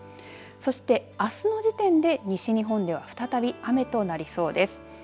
そして、あすの時点で西日本では再び雨となりそうです。